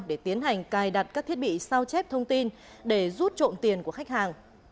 để tiến hành cài đặt các thiết bị sao chép thông tin để rút trộm tiền của khách hàng